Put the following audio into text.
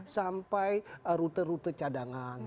sampai rute rute cadangan